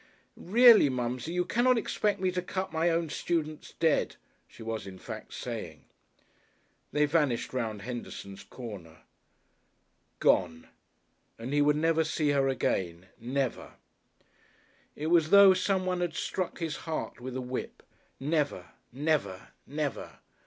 "Really, Mumsie, you cannot expect me to cut my own students dead," she was in fact saying.... They vanished round Henderson's corner. Gone! And he would never see her again never! It was as though someone had struck his heart with a whip. Never! Never! Never!